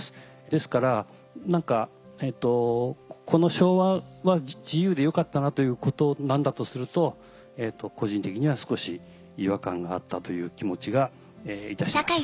ですから何かこの昭和は自由で良かったなということなんだとすると個人的には少し違和感があったという気持ちがいたしました。